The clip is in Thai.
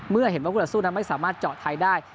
เมื่อเห็นว่าคู่ต่อสู้นั้นไม่สามารถเจาะไทยได้